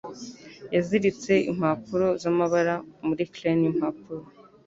Yiziritse impapuro zamabara muri crane yimpapuro